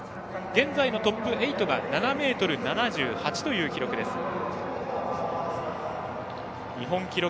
現在のトップ８が７ｍ７８という記録。